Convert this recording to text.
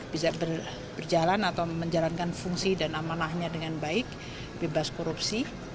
bisa berjalan atau menjalankan fungsi dan amanahnya dengan baik bebas korupsi